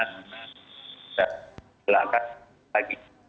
kita melakukan lagi